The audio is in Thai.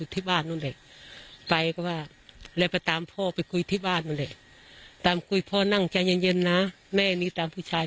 พี่นาซีดนี่ฉันก็ร้องให้พี่สาวก็ร้องให้สงสารพี่ชาย